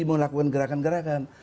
mau lakukan gerakan gerakan